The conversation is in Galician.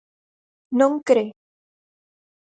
Non cre?